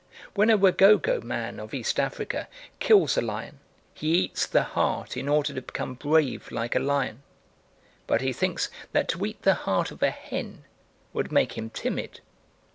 When a Wagogo man of East Africa kills a lion, he eats the heart in order to become brave like a lion; but he thinks that to eat the heart of a hen would make him timid.